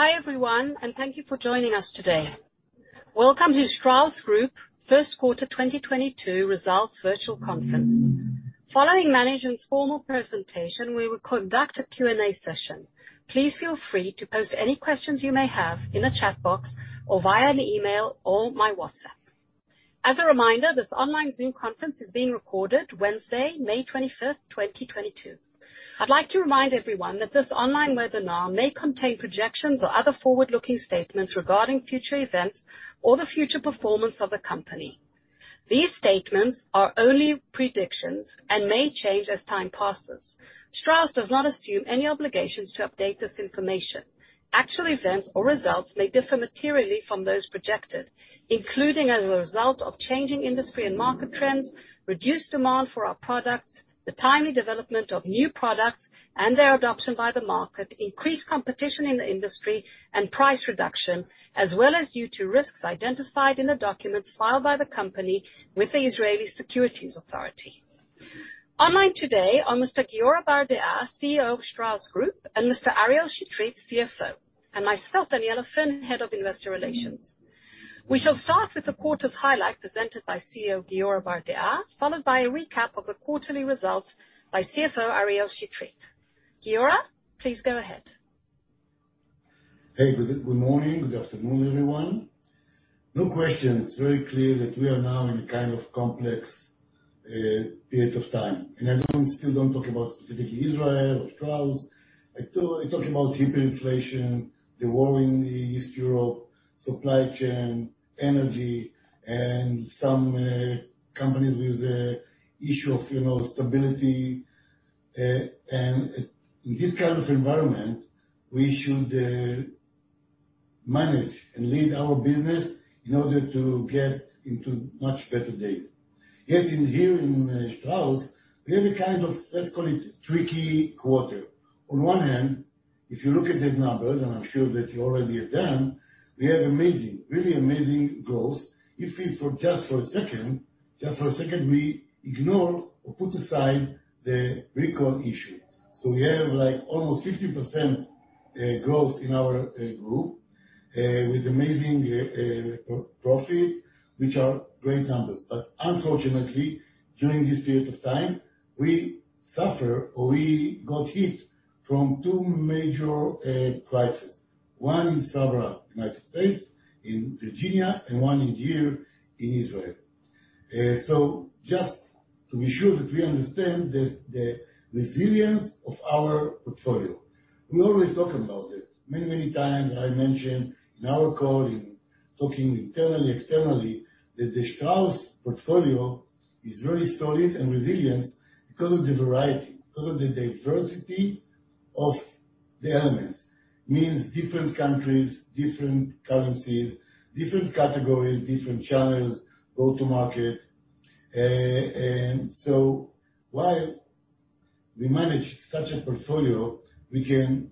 Hi, everyone, and thank you for joining us today. Welcome to Strauss Group first quarter 2022 results virtual conference. Following management's formal presentation, we will conduct a Q&A session. Please feel free to post any questions you may have in the chat box or via an email or my WhatsApp. As a reminder, this online Zoom conference is being recorded Wednesday, May 25th, 2022. I'd like to remind everyone that this online webinar may contain projections or other forward-looking statements regarding future events or the future performance of the company. These statements are only predictions and may change as time passes. Strauss does not assume any obligations to update this information. Actual events or results may differ materially from those projected, including as a result of changing industry and market trends, reduced demand for our products, the timely development of new products and their adoption by the market, increased competition in the industry and price reduction, as well as due to risks identified in the documents filed by the company with the Israel Securities Authority. Online today are Mr. Giora Bardea, CEO of Strauss Group, and Mr. Ariel Chetrit, CFO, and myself, Daniella Finn, Head of Investor Relations. We shall start with the quarter's highlight presented by CEO Giora Bardea, followed by a recap of the quarterly results by CFO Ariel Chetrit. Giora, please go ahead. Hey, good morning, good afternoon, everyone. No question, it's very clear that we are now in a kind of complex period of time. I still don't talk about specifically Israel or Strauss. I talk about hyperinflation, the war in Eastern Europe, supply chain, energy, and some companies with the issue of, you know, stability. In this kind of environment, we should manage and lead our business in order to get into much better days. Yet in here in Strauss, we have a kind of, let's call it tricky quarter. On one hand, if you look at the numbers, and I'm sure that you already have done, we have amazing, really amazing growth. If we just for a second, we ignore or put aside the recall issue. We have, like, almost 50% growth in our group with amazing profit, which are great numbers. Unfortunately, during this period of time, we suffer, or we got hit from two major crisis. One in Sabra, United States, in Virginia, and one here in Israel. Just to be sure that we understand the resilience of our portfolio. We always talk about it many times, and I mentioned in our call, in talking internally, externally, that the Strauss portfolio is really solid and resilient because of the variety, because of the diversity of the elements. Means different countries, different currencies, different categories, different channels, go to market. While we manage such a portfolio, we can,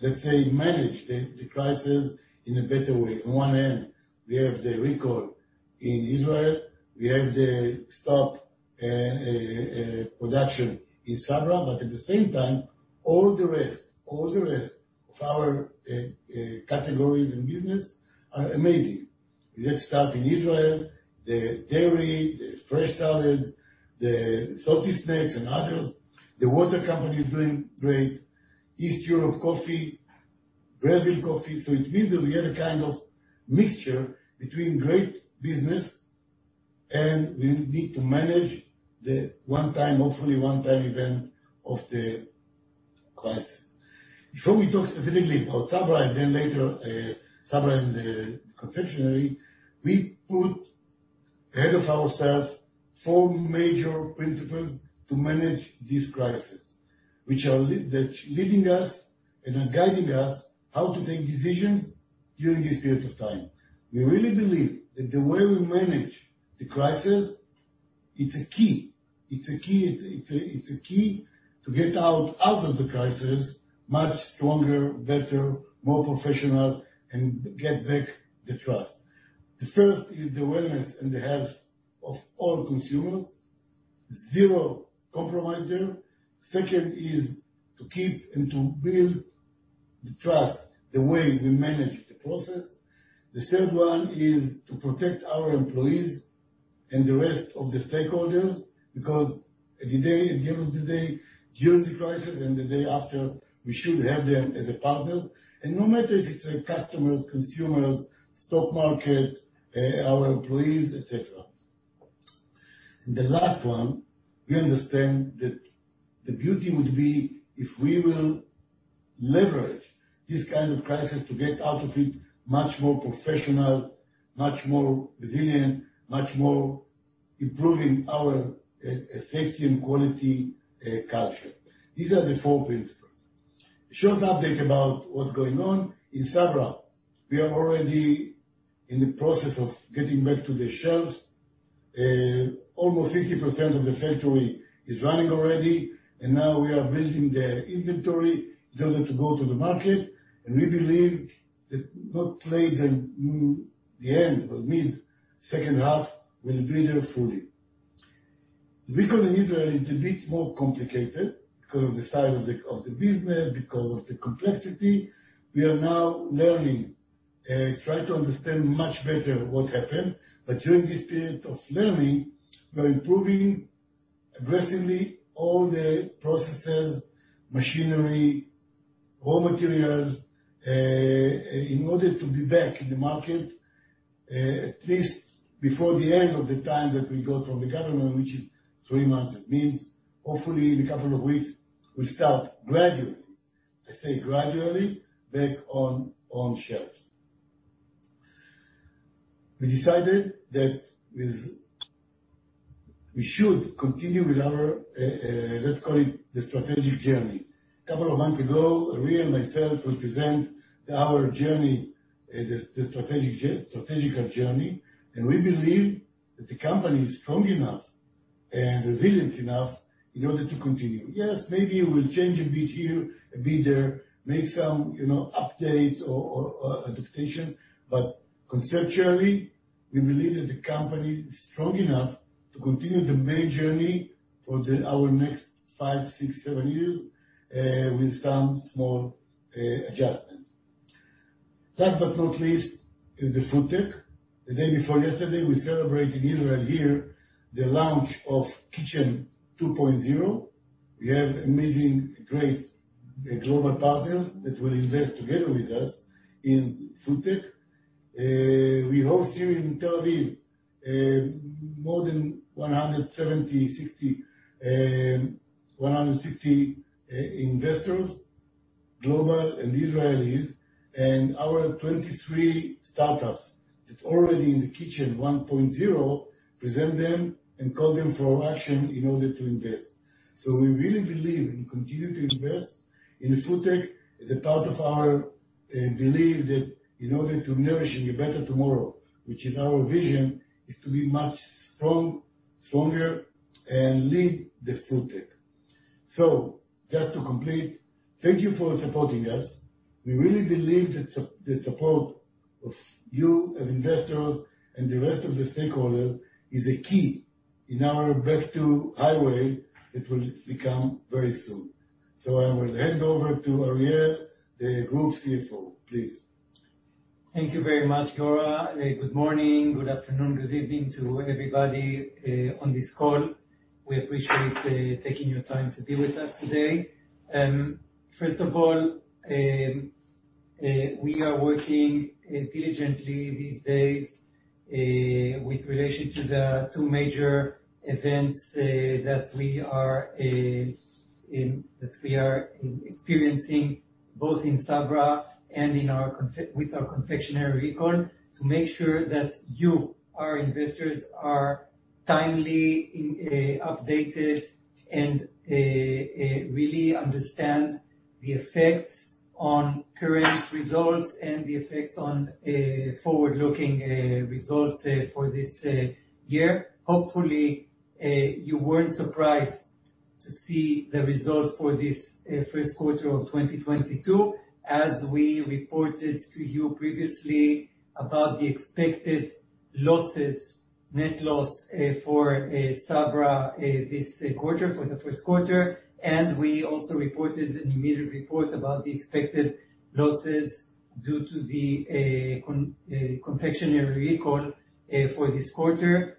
let's say, manage the crisis in a better way. On one end, we have the recall in Israel. We have the stock and production in Sabra, but at the same time, all the rest of our categories and business are amazing. Let's start in Israel, the dairy, the fresh salads, the salty snacks and others. The water company is doing great. East Europe coffee, Brazil coffee. It means that we had a kind of mixture between great business and we need to manage the one-time event of the crisis. Before we talk specifically about Sabra and then later Sabra and the confectionery, we put ahead of ourselves four major principles to manage this crisis, which are that's leading us and are guiding us how to make decisions during this period of time. We really believe that the way we manage the crisis, it's a key to get out of the crisis much stronger, better, more professional, and get back the trust. The first is the wellness and the health of all consumers. Zero compromise there. Second is to keep and to build the trust, the way we manage the process. The third one is to protect our employees and the rest of the stakeholders, because at the end of the day, during the crisis and the day after, we should have them as a partner. No matter if it's customers, consumers, stock market, our employees, et cetera. The last one, we understand that the beauty would be if we will leverage this kind of crisis to get out of it much more professional, much more resilient, much more improving our, safety and quality, culture. These are the four principles. Short update about what's going on. In Sabra, we are already in the process of getting back to the shelves. Almost 50% of the factory is running already, and now we are building the inventory in order to go to the market, and we believe that not later than the end or mid-second half, we'll be there fully. Recall in Israel is a bit more complicated because of the size of the business, because of the complexity. We are now learning, try to understand much better what happened. During this period of learning, we are improving aggressively all the processes, machinery, raw materials, in order to be back in the market, at least before the end of the time that we got from the government, which is three months. It means hopefully in a couple of weeks we start gradually, I say gradually, back on shelves. We decided that with we should continue with our, let's call it the strategic journey. A couple of months ago, Ariel and myself will present our journey, the strategic journey, and we believe that the company is strong enough and resilient enough in order to continue. Yes, maybe it will change a bit here, a bit there, make some, you know, updates or adaptation. Conceptually, we believe that the company is strong enough to continue the main journey for our next five, six, seven years, with some small adjustments. Last but not least, is the food tech. The day before yesterday, we celebrated Israel here, the launch of Kitchen 2.0. We have amazing, great global partners that will invest together with us in food tech. We host here in Tel Aviv more than 160 investors, global and Israelis, and our 23 startups that's already in The Kitchen 1.0, present them and call them for action in order to invest. We really believe and continue to invest in the food tech as a part of our belief that in order to nourish a better tomorrow, which is our vision, is to be much stronger and lead the food tech. Just to complete, thank you for supporting us. We really believe that the support of you as investors and the rest of the stakeholders is a key in our back to highway that will become very soon. I will hand over to Ariel, the Group CFO, please. Thank you very much, Giora. Good morning, good afternoon, good evening to everybody on this call. We appreciate you taking your time to be with us today. First of all, we are working diligently these days with relation to the two major events that we are experiencing both in Sabra and with our confectionery recall, to make sure that you, our investors, are timely updated and really understand the effects on current results and the effects on forward-looking results for this year. Hopefully, you weren't surprised to see the results for this first quarter of 2022, as we reported to you previously about the expected losses, net loss for Sabra this quarter, for the first quarter. We also reported an immediate report about the expected losses due to the confectionery recall for this quarter.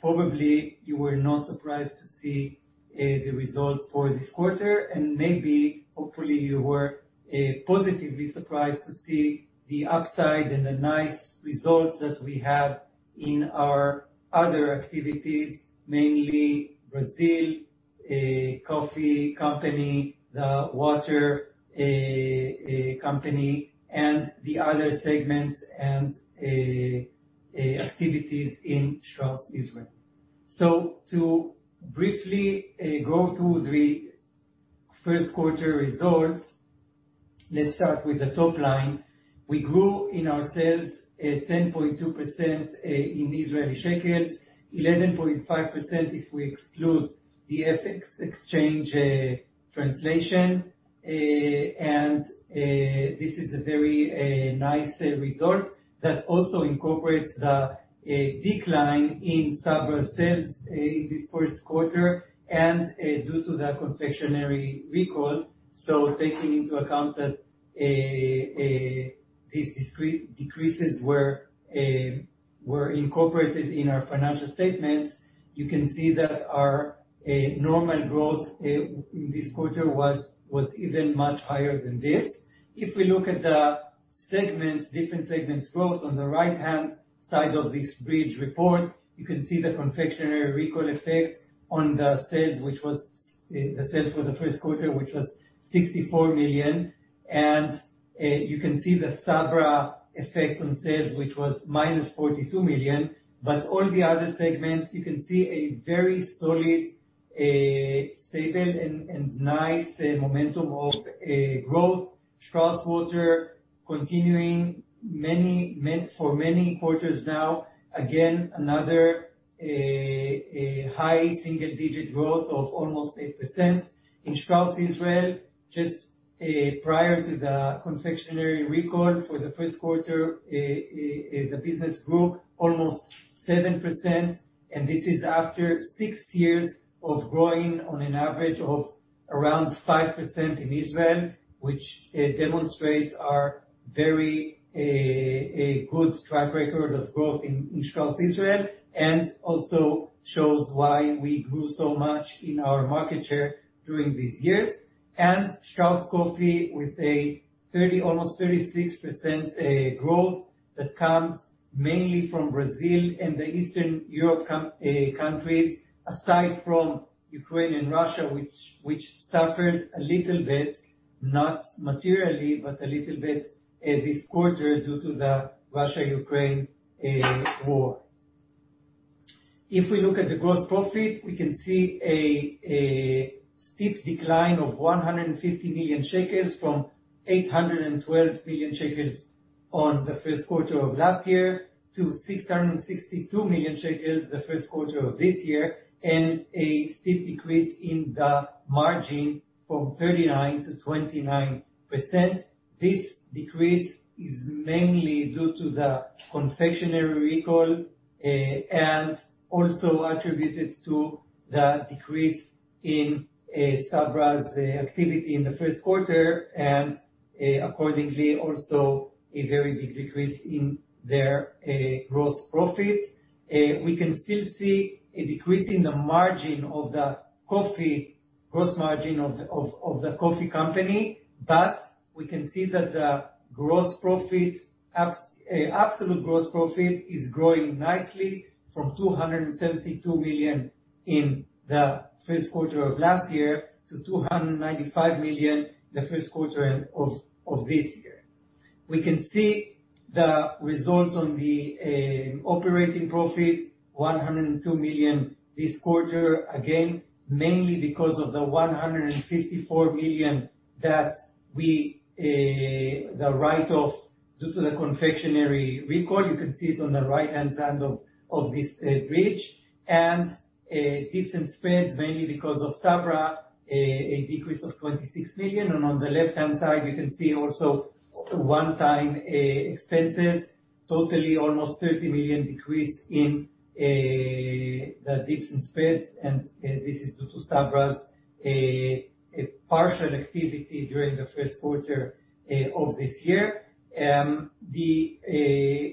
Probably you were not surprised to see the results for this quarter, and maybe hopefully you were positively surprised to see the upside and the nice results that we have in our other activities, mainly Brazil coffee company, the water company and the other segments and activities in Strauss Israel. To briefly go through the first quarter results, let's start with the top line. We grew in our sales 10.2% in Israeli shekels, 11.5% if we exclude the FX exchange translation. This is a very nice result that also incorporates the decline in Sabra sales in this first quarter and due to the confectionery recall. Taking into account that these decreases were incorporated in our financial statements, you can see that our normal growth this quarter was even much higher than this. If we look at the segments, different segments growth on the right-hand side of this bridge report, you can see the confectionery recall effect on the sales, which was the sales for the first quarter, which was 64 million. You can see the Sabra effect on sales, which was -42 million. All the other segments, you can see a very solid stable and nice momentum of growth. Strauss Water continuing for many quarters now. Again, another high single-digit growth of almost 8%. In Strauss Israel, just prior to the confectionery recall for the first quarter, the business grew almost 7%, and this is after six years of growing on an average of around 5% in Israel, which demonstrates our very good track record of growth in Strauss Israel, and also shows why we grew so much in our market share during these years. Strauss Coffee with almost 36% growth that comes mainly from Brazil and the Eastern Europe countries, aside from Ukraine and Russia, which suffered a little bit, not materially, but a little bit, this quarter due to the Russia-Ukraine war. If we look at the gross profit, we can see a steep decline of 150 million shekels from 812 million shekels in the first quarter of last year to 662 million shekels in the first quarter of this year, and a steep decrease in the margin from 39% to 29%. This decrease is mainly due to the confectionery recall, and also attributed to the decrease in Sabra's activity in the first quarter, and accordingly, also a very big decrease in their gross profit. We can still see a decrease in the gross margin of the coffee company, but we can see that the absolute gross profit is growing nicely from 272 million in the first quarter of last year to 295 million in the first quarter of this year. We can see the results on the operating profit, 102 million this quarter, again, mainly because of the 154 million write-off due to the confectionery recall. You can see it on the right-hand side of this bridge. Dips & Spreads mainly because of Sabra, a decrease of 26 million. On the left-hand side, you can see also one-time expenses, totally almost 30 million decrease in the Dips & Spreads, and this is due to Sabra's partial activity during the first quarter of this year. The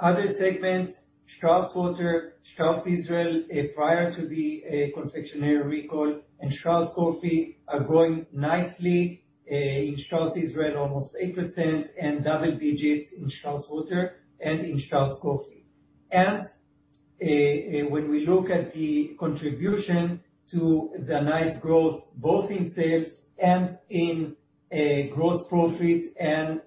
other segments, Strauss Water, Strauss Israel prior to the confectionery recall, and Strauss Coffee are growing nicely. In Strauss Israel almost 8% and double digits in Strauss Water and in Strauss Coffee. When we look at the contribution to the nice growth, both in sales and in gross profit and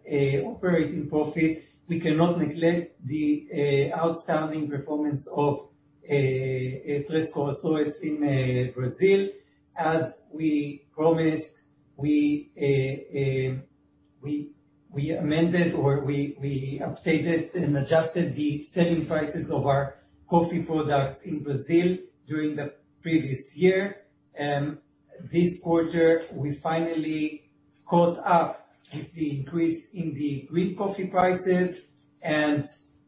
operating profit, we cannot neglect the outstanding performance of Três Corações in Brazil. As we promised, we amended, or we updated and adjusted the selling prices of our coffee products in Brazil during the previous year. This quarter, we finally caught up with the increase in the green coffee prices.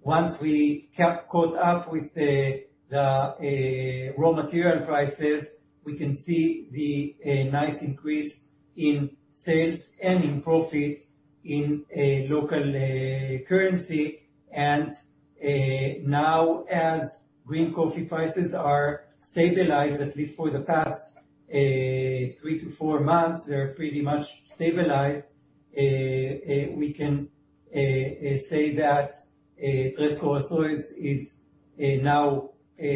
Once we caught up with the raw material prices, we can see the nice increase in sales and in profits in local currency. Now, as green coffee prices are stabilized, at least for the past 3-4 months, they're pretty much stabilized. We can say that Três Corações is now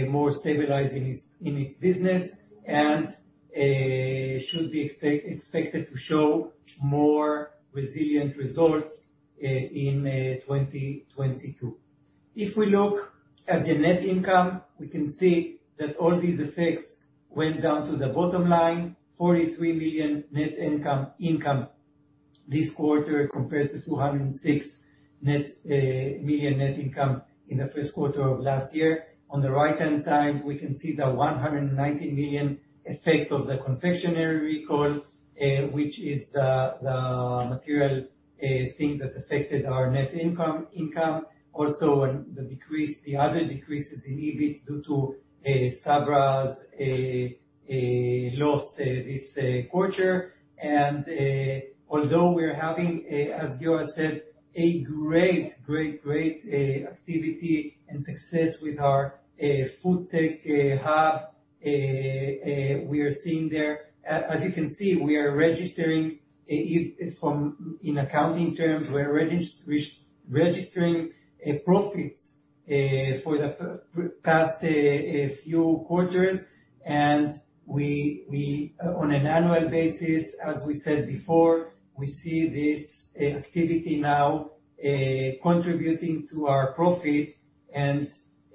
more stable in its business and should be expected to show more resilient results in 2022. If we look at the net income, we can see that all these effects went down to the bottom line, 43 million net income this quarter, compared to 206 million net income in the first quarter of last year. On the right-hand side, we can see the 190 million effect of the confectionery recall, which is the material thing that affected our net income. Also, the other decreases in EBIT due to Sabra's loss this quarter. Although we are having, as Giora said, a great activity and success with our FoodTech hub, we are seeing there. As you can see, we are registering it from in accounting terms, we're registering profits for the past few quarters. We on an annual basis, as we said before, we see this activity now contributing to our profit and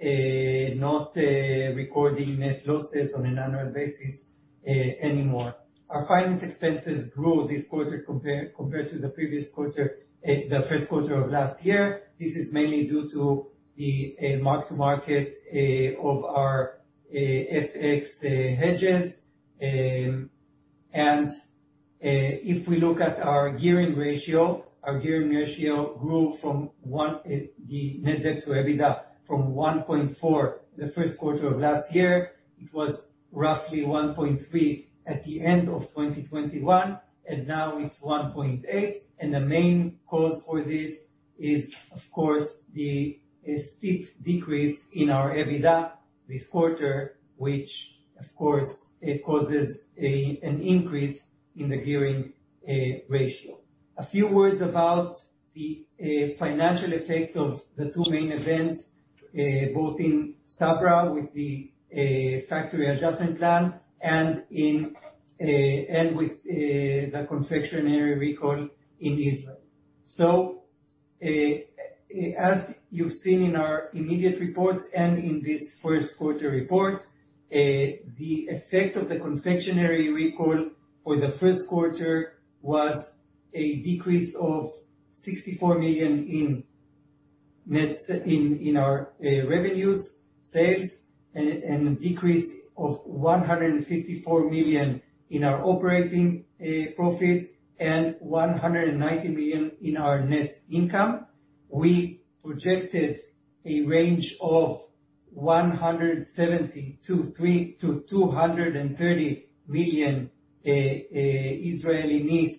not recording net losses on an annual basis anymore. Our finance expenses grew this quarter compared to the previous quarter, the first quarter of last year. This is mainly due to the mark-to-market of our FX hedges. If we look at our gearing ratio, our gearing ratio grew from 1.4 the first quarter of last year, it was roughly 1.3 at the end of 2021, and now it's 1.8. The main cause for this is, of course, a steep decrease in our EBITDA this quarter, which of course causes an increase in the gearing ratio. A few words about the financial effects of the two main events, both in Sabra with the factory adjustment plan and with the confectionery recall in Israel. As you've seen in our immediate reports and in this first quarter report, the effect of the confectionery recall for the first quarter was a decrease of 64 million in our revenues sales and a decrease of 154 million in our operating profit and 190 million in our net income. We projected a range of 172.3 million-230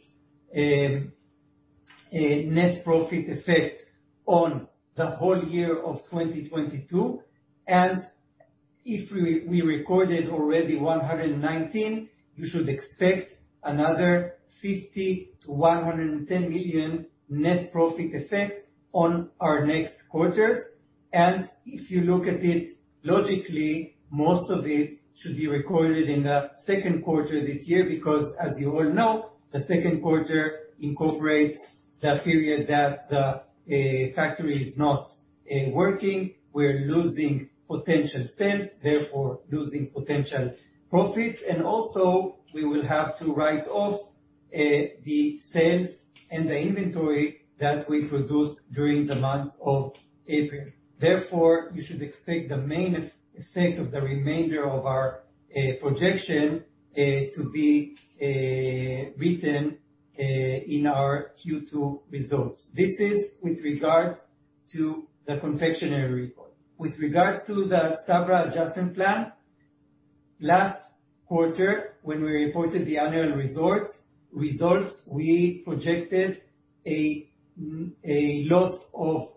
million net-profit effect on the whole year of 2022. If we recorded already 119 million, you should expect another 50 million-110 million net-profit effect on our next quarters. If you look at it logically, most of it should be recorded in the second quarter this year because as you all know, the second quarter incorporates the period that the factory is not working. We're losing potential sales, therefore losing potential profits. Also, we will have to write-off the sales and the inventory that we produced during the month of April. Therefore, you should expect the main effect of the remainder of our projection to be written in our Q2 results. This is with regards to the confectionery recall. With regards to the Sabra adjustment plan, last quarter, when we reported the annual results, we projected a loss of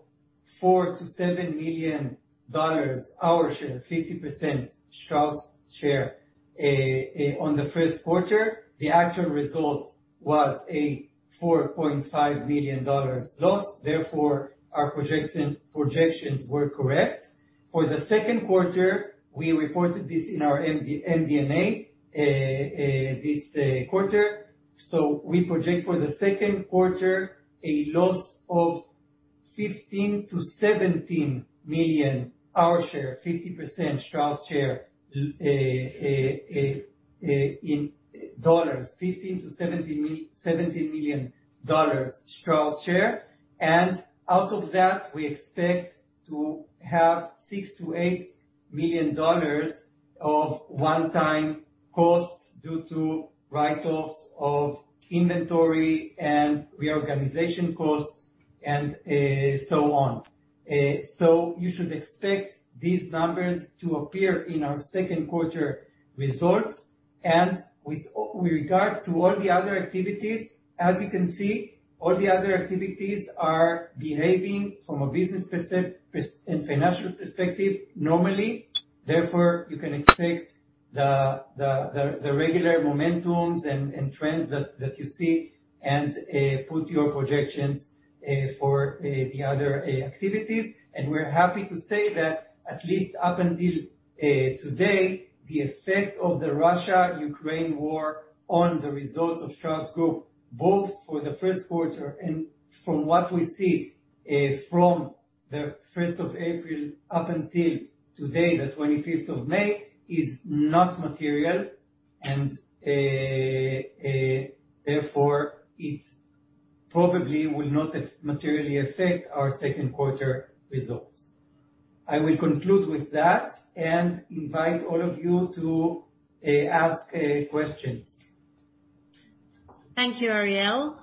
$4-$7 million our share, 50% Strauss' share, on the first quarter. The actual result was a $4.5 million loss. Therefore, our projections were correct. For the second quarter, we reported this in our MD&A, this quarter. We project for the second quarter a loss of $15 million-$17 million our share, 50% Strauss share, in dollars. $15 million-$17 million Strauss share. Out of that, we expect to have $6 million-$8 million of one-time costs due to write-offs of inventory and reorganization costs and so on. You should expect these numbers to appear in our second quarter results. With regards to all the other activities, as you can see, all the other activities are behaving from a business and financial perspective, normally. Therefore, you can expect the regular momentum and trends that you see and put your projections for the other activities. We're happy to say that at least up until today, the effect of the Russia-Ukraine war on the results of Strauss Group, both for the first quarter and from what we see from the 1st of April, up until today, the 25th of May, is not material. Therefore, it probably will not materially affect our second quarter results. I will conclude with that and invite all of you to ask questions. Thank you, Ariel.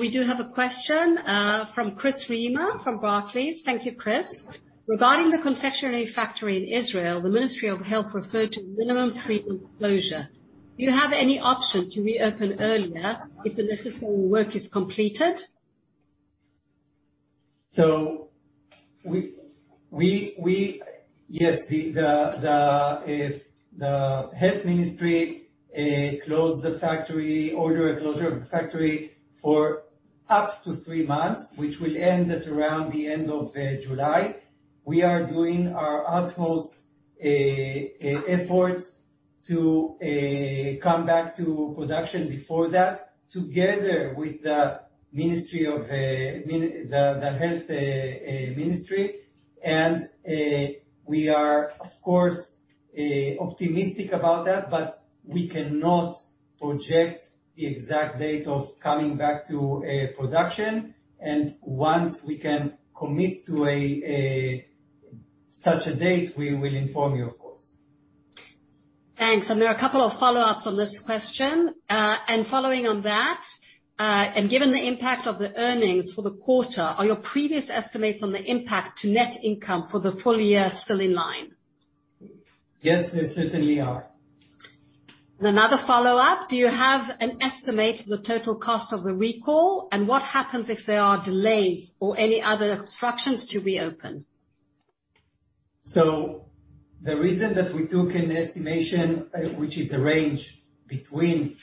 We do have a question from Chris Reimer from Barclays. Thank you, Chris. Regarding the confectionery factory in Israel, the Ministry of Health referred to minimum three-month closure. Do you have any option to reopen earlier if the necessary work is completed? Yes, if the Ministry of Health closed the factory, ordered a closure of the factory for up to three months, which will end at around the end of July. We are doing our utmost efforts to come back to production before that, together with the Ministry of Health. We are, of course, optimistic about that, but we cannot project the exact date of coming back to production. Once we can commit to such a date, we will inform you of course. Thanks. There are a couple of follow-ups on this question. Following on that, given the impact of the earnings for the quarter, are your previous estimates on the impact to net income for the full year still in line? Yes, they certainly are. Another follow-up: Do you have an estimate for the total cost of the recall? What happens if there are delays or any other obstructions to reopen? The reason that we took an estimation, which is the range between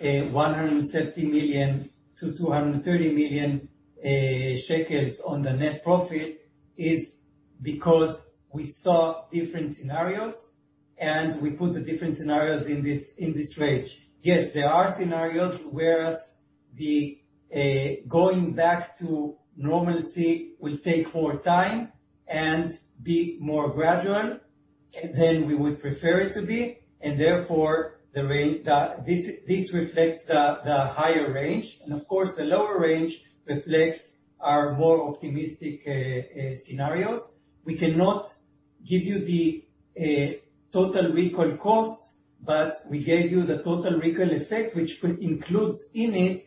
170 million-230 million shekels on the net profit, is because we saw different scenarios, and we put the different scenarios in this range. Yes, there are scenarios, whereas the going back to normalcy will take more time and be more gradual than we would prefer it to be, and therefore the range. This this reflects the higher range. Of course, the lower range reflects our more optimistic scenarios. We cannot give you the total recall costs, but we gave you the total recall effect, which includes in it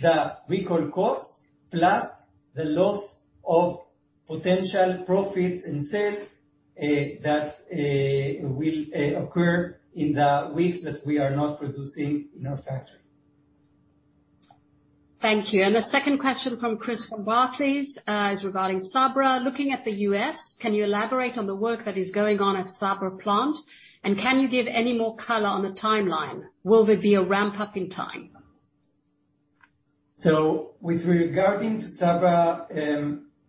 the recall costs plus the loss of potential profits and sales that will occur in the weeks that we are not producing in our factory. Thank you. The second question from Chris from Barclays is regarding Sabra. Looking at the U.S., can you elaborate on the work that is going on at Sabra plant? Can you give any more color on the timeline? Will there be a ramp-up in time? With regard to Sabra,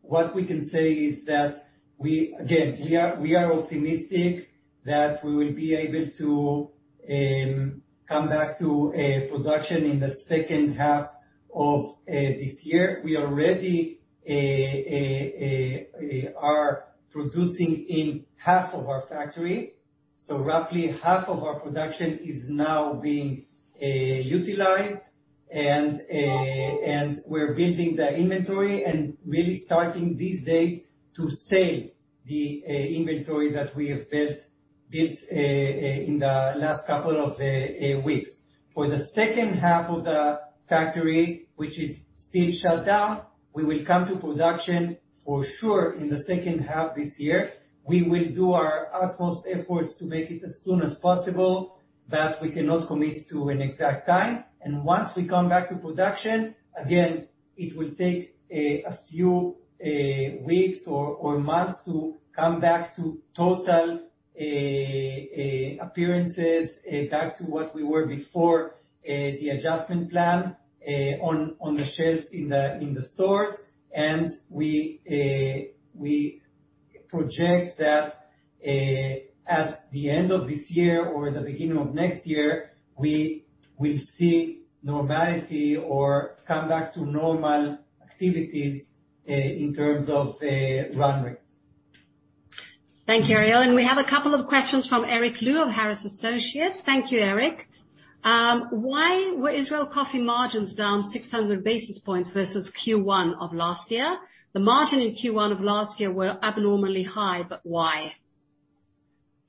what we can say is that we again we are optimistic that we will be able to come back to production in the second half of this year. We already are producing in half of our factory. Roughly half of our production is now being utilized, and we're building the inventory and really starting these days to sell the inventory that we have built in the last couple of weeks. For the second half of the factory, which is still shut down, we will come to production for sure in the second half this year. We will do our utmost efforts to make it as soon as possible, but we cannot commit to an exact time. Once we come back to production, again, it will take a few weeks or months to come back to total appearances back to what we were before the adjustment plan on the shelves in the stores. We project that at the end of this year or the beginning of next year, we will see normality or come back to normal activities in terms of run rates. Thank you, Ariel. We have a couple of questions from Eric Liu of Harris Associates. Thank you, Eric. Why were Israel Coffee margins down 600 basis points versus Q1 of last year? The margin in Q1 of last year were abnormally high, but why?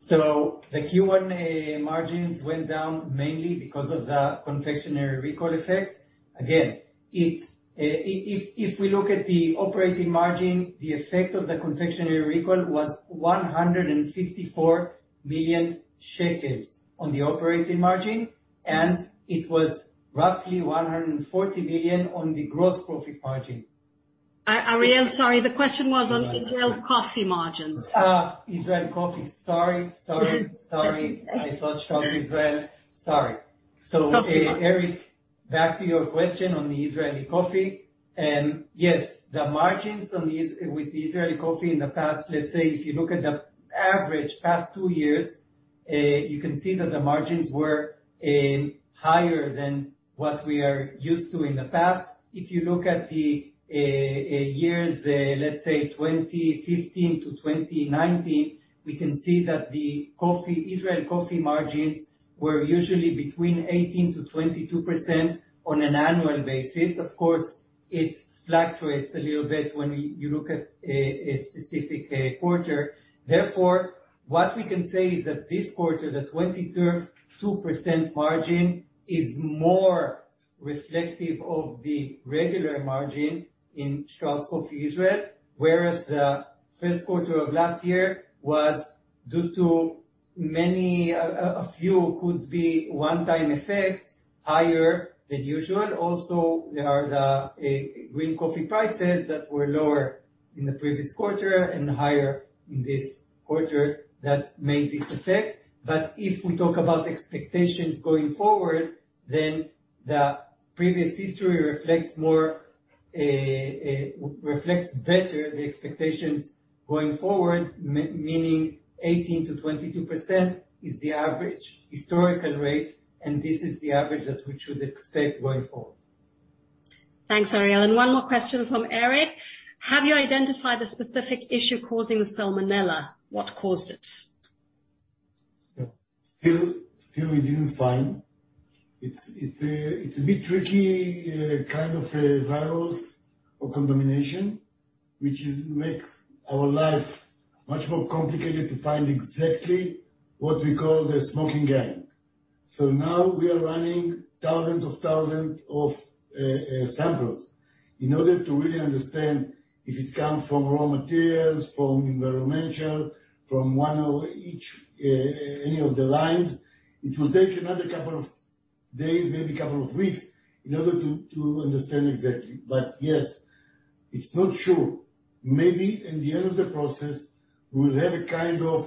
The Q1 margins went down mainly because of the confectionery recall effect. Again, if we look at the operating margin, the effect of the confectionery recall was 154 million shekels on the operating margin, and it was roughly 140 million on the gross profit margin. Ariel, sorry. The question was on Israeli Coffee margins. Sorry. I thought Strauss Israel. Sorry. No. Eric, back to your question on the Israeli Coffee. Yes. The margins with Israeli Coffee in the past, let's say if you look at the average past two years, you can see that the margins were higher than what we are used to in the past. If you look at the years, let's say 2015-2019, we can see that the Coffee Israel margins were usually between 18%-22% on an annual basis. Of course, it fluctuates a little bit when you look at a specific quarter. Therefore, what we can say is that this quarter, the 22% margin is more reflective of the regular margin in Strauss Coffee Israel, whereas the first quarter of last year was due to a few one-time effects, higher than usual. Also, there are the green coffee prices that were lower in the previous quarter and higher in this quarter that made this effect. If we talk about expectations going forward, then the previous history reflects better the expectations going forward, meaning 18%-22% is the average historical rate, and this is the average that we should expect going forward. Thanks, Ariel. One more question from Eric: Have you identified the specific issue causing the Salmonella? What caused it? Yeah. Still we didn't find. It's a bit tricky, kind of a virus or contamination, which makes our life much more complicated to find exactly what we call the smoking gun. Now we are running thousands of samples in order to really understand if it comes from raw materials, from the environment, from one or the other any of the lines. It will take another couple of days, maybe a couple of weeks, to understand exactly. Yes, it's not sure. Maybe in the end of the process, we'll have a kind of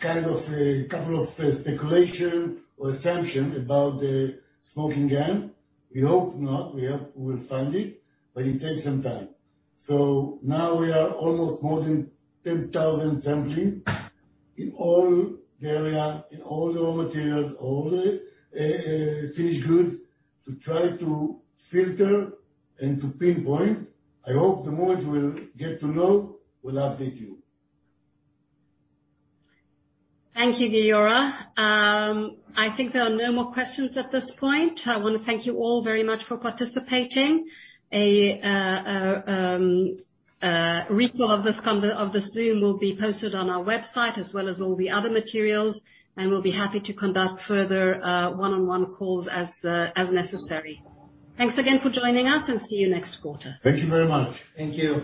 couple of speculations or assumptions about the smoking gun. We hope not. We will find it, but it takes some time. Now we are almost more than 10,000 sampling in all the area, in all the raw materials, all the finished goods to try to filter and to pinpoint. I hope the moment we'll get to know, we'll update you. Thank you, Giora. I think there are no more questions at this point. I wanna thank you all very much for participating. A record of this Zoom will be posted on our website as well as all the other materials, and we'll be happy to conduct further one-on-one calls as necessary. Thanks again for joining us, and see you next quarter. Thank you very much. Thank you.